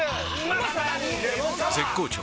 絶好調！！